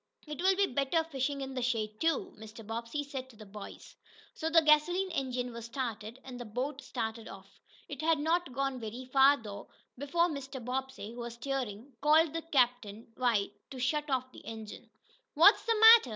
"It will be better fishing in the shade, too," Mr. Bobbsey said to the boys. So the gasoline engine was started, and the boat started off. It had not gone very far, though, before Mr. Bobbsey, who was steering, called to Captain White to shut off the engine. "What's the matter?"